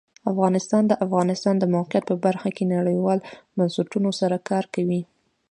افغانستان د د افغانستان د موقعیت په برخه کې نړیوالو بنسټونو سره کار کوي.